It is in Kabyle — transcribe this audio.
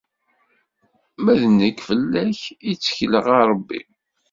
Ma d nekk, fell-ak i ttekleɣ, a Rebbi!